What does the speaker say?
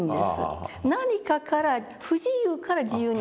何かから不自由から自由になるという。